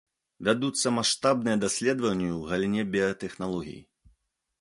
Вядуцца маштабныя даследаванні ў галіне біятэхналогій.